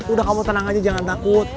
udah kamu tenang aja jangan takut